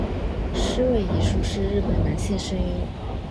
矢尾一树是日本男性声优。